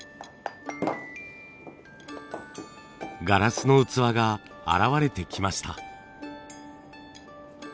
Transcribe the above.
ガラスの器が現れてきました。